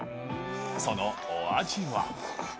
そのお味は。